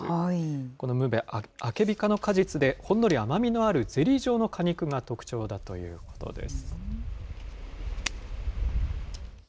このムベ、アケビ科の果実で、ほんのり甘みのあるゼリー状の果肉が特徴だということです。